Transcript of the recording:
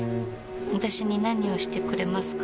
私に何をしてくれますか？